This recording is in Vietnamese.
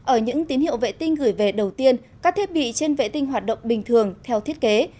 ở những tín hiệu vệ tinh gửi về đầu tiên các thiết bị trên vệ tinh hoạt động bình thường theo thiết kế